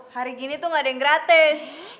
hari gini tuh gak ada yang gratis